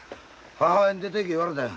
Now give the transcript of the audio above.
母親に出ていけ言われたんや。